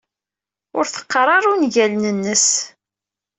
Ur teqqar ara ungalen-nnes.